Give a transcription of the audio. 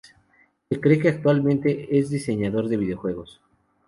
Se cree que actualmente es diseñador de videojuegos.